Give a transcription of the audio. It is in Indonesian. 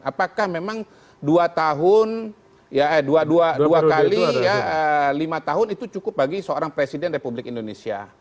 apakah memang dua tahun dua kali lima tahun itu cukup bagi seorang presiden republik indonesia